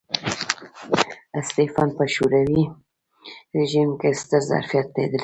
سټېفنس په شوروي رژیم کې ستر ظرفیت لیدلی و